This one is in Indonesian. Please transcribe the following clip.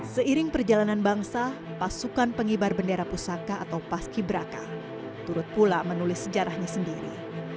seiring perjalanan bangsa pasukan pengibar bendera pusaka atau paski braka turut pula menulis sejarahnya sendiri